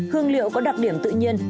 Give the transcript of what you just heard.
hương liệu có đặc điểm tự nhiên